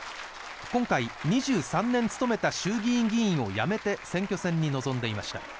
今回、２３年務めた衆議院議員を辞めて選挙戦に臨んでいました。